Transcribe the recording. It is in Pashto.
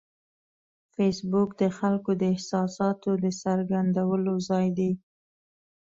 فېسبوک د خلکو د احساساتو د څرګندولو ځای دی